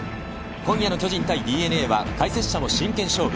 今夜の巨人対ＤｅＮＡは、解説者も真剣勝負。